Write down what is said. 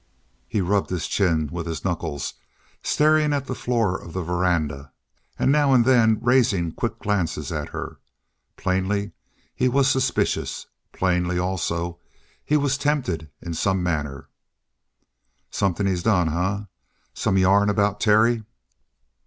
He rubbed his chin with his knuckles, staring at the floor of the veranda, and now and then raising quick glances at her. Plainly he was suspicious. Plainly, also, he was tempted in some manner. "Something he's done, eh? Some yarn about Terry?"